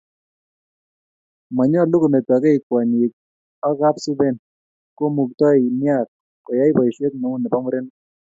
Monyolu kometo kei kwonyik ak kapsuben komuktoi née koyai boiset neu nebo murenik